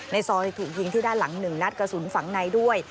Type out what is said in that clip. ในซอยถูกยิงที่ด้านหลัง๑นัดกระสุนฝังในด้วย